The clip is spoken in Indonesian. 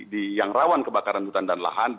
di yang rawan kebakaran hutan dan lahan